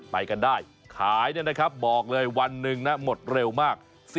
ไปกันได้ขายเนี่ยนะครับบอกเลยวันหนึ่งนะหมดเร็วมาก